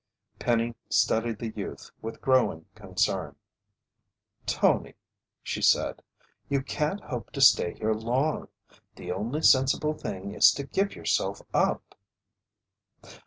Penny studied the youth with growing concern. "Tony," she said, "you can't hope to stay here long. The only sensible thing is to give yourself up."